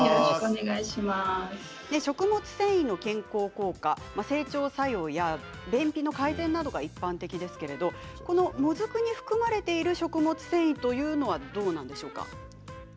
食物繊維の健康効果整腸作用や便秘改善などが一般的ですけれどもずくに含まれている食物繊維はどうなんでしょうか。